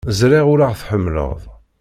Ẓriɣ ur aɣ-tḥemmleḍ.